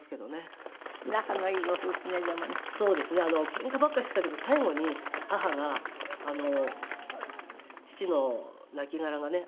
けんかばっかりしてたけど最後に母が父の亡きがらがね